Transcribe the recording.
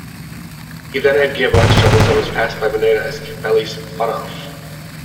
He then had gearbox troubles and was passed by Modena as Capelli spun off.